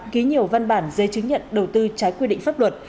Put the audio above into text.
ký nhiều văn bản dây chứng nhận đầu tư trái quy định pháp luật